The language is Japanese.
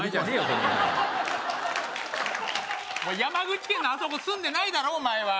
それも山口県のあそこ住んでないだろお前は！